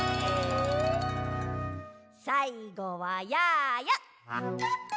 さいごはやーや。